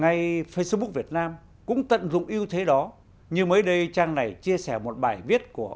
ngay facebook việt nam cũng tận dụng ưu thế đó như mới đây trang này chia sẻ một bài viết của